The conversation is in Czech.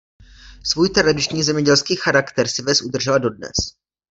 Svůj tradiční zemědělský charakter si ves udržela dodnes.